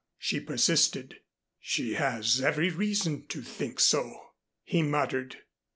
she persisted. "She has every reason to think so," he muttered.